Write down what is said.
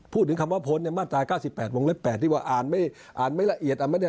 พูดถึงคำว่าพ้นเนี่ยมาตรา๙๘วงเล็ก๘ที่ว่าอ่านไม่ละเอียด